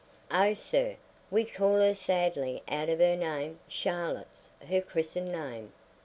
"Oh, sir, we call her sadly out of her name. Charlotte's her christened name.